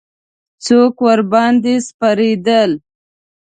څوک ورباندې سپرېدل.